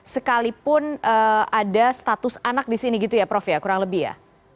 sekalipun ada status anak di sini gitu ya prof ya kurang lebih ya